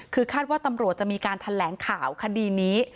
คือคาดว่าตำรวจจะมีการแถลงข่าวคดีนี้